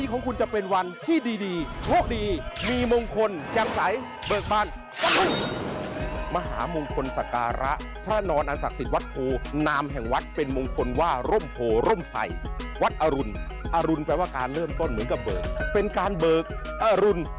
เอาเดี๋ยวเอาแต่เราไปดูตัวอย่างเต็มกันหน่อยสำหรับหมอรักเบิกอรุณ